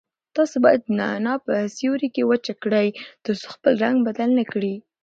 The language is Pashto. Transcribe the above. تاسو باید نعناع په سیوري کې وچ کړئ ترڅو خپل رنګ بدل نه کړي.